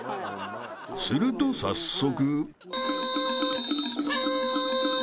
［すると早速］